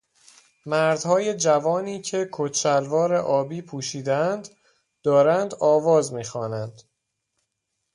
مردهای جوانی که کت شلوار آبی پوشیده اند دارند آواز می خوانند.